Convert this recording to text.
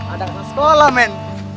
ada kelas sekolah men